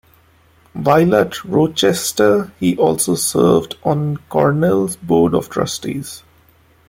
While at Rochester, he also served on Cornell's Board of Trustees.